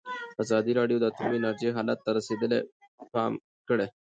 ازادي راډیو د اټومي انرژي حالت ته رسېدلي پام کړی.